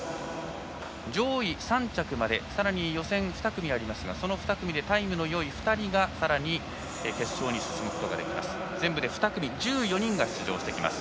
上位３着までさらに予選が２組ありますがその２組でタイムのよい２人が決勝に進出できます。